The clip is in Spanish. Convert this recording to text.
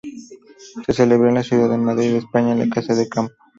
Se celebró en la ciudad de Madrid, España en la Casa de Campo.